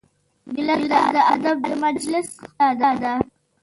ګیلاس د ادب د مجلس ښکلا ده.